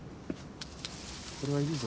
これはいるぞ